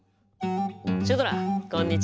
シュドラこんにちは！